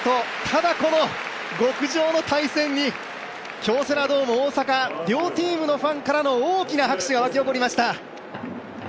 ただ、この極上の対戦に京セラドーム大阪、両チームのファンからの大きな拍手が巻き起こりました。